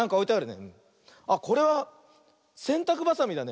あっこれはせんたくばさみだね。